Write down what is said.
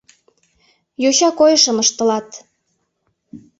Йоча койышым ыштылат...